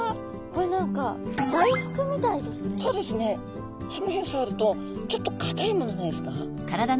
これ何かその辺触るとちょっと硬いものないですか？